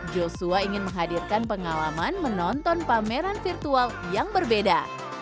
joshua ingin menghadirkan pengalaman menonton pameran virtual yang berbeda